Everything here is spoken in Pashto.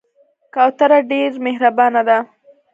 کوتره ډېر مهربانه ده.